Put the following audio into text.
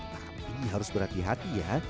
tapi harus berhati hati ya